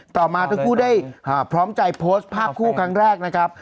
ต่อมาทั้งคู่ได้พร้อมใจโพสต์ภาพคู่ครั้งแรกนะครับ